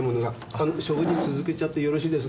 あの食事続けちゃってよろしいですか？